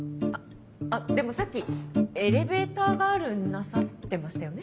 でもさっきエレベーターガールなさってましたよね？